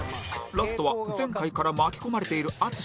ラストは前回から巻き込まれている淳